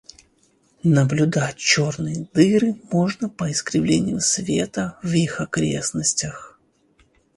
Наблюдать черные дыры можно по искривлению света в их окрестностях.